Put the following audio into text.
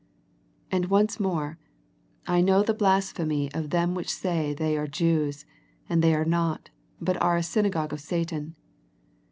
And once more, " I know the blasphemy of them which say they are Jews, and they are not, but are a synagogue of Satan."